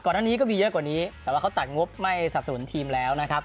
ทั้งนี้ก็มีเยอะกว่านี้แต่ว่าเขาตัดงบไม่สับสนุนทีมแล้วนะครับ